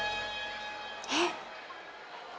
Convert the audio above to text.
えっ？